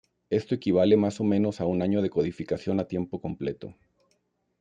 Esto equivale más o menos a un año de codificación a tiempo completo.